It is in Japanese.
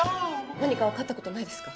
何か分かったことないですか？